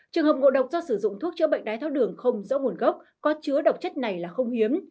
trường hợp ngộ độc do sử dụng thuốc chữa bệnh đái tháo đường không rõ nguồn gốc có chứa độc chất này là không hiếm